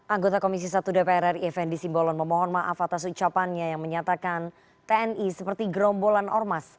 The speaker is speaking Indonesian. anggota komisi satu dpr ri fnd simbolon memohon maaf atas ucapannya yang menyatakan tni seperti gerombolan ormas